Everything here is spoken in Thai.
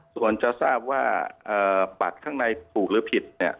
ส่วนจะทราบว่าบัตรข้างในถูกหรือผิดเนี่ย